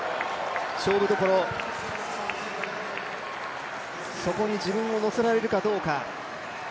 ちょうどそこに自分を乗せられるかどうか。